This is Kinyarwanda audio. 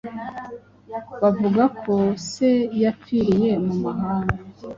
Bavuga ko se yapfiriye mu mahanga.